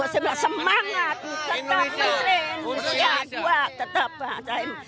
saya bilang semangat tetap mengerin